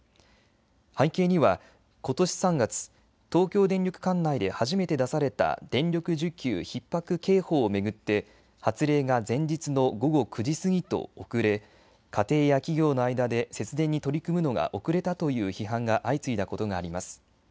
背景にはことし３月東京電力管内で初めて出された電力需給ひっ迫警報を巡って発令が前日の午後９時過ぎと遅れ、家庭や企業の間で節電に取り組むのが遅れたという批判が相次いだことがあります。